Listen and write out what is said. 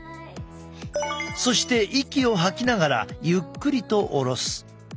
そして息を吐きながらゆっくりと下ろす。